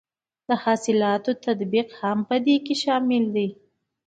د اصلاحاتو تطبیق هم په دې کې شامل دی.